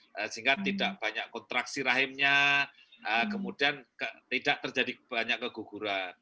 sehingga tidak banyak kontraksi rahimnya kemudian tidak terjadi banyak keguguran